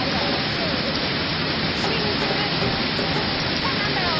さあ何だろう？